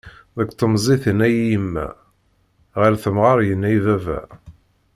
Deg temẓi tenna-yi yemma, ɣer temɣer yenna-yi baba.